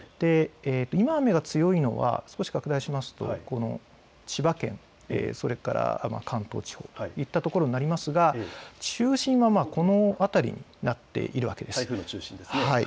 今、雨が強いのは、拡大しますと千葉県、それから関東地方といったところになりますが、中心は、この辺りになっているわけです。